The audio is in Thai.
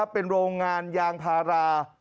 เป็นโรงงานยางพารา